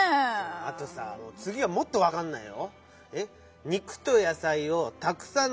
あとさつぎはもっとわかんないよ。